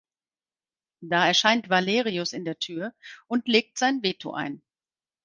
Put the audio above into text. Da erscheint Valerius in der Tür und legt sein Veto ein.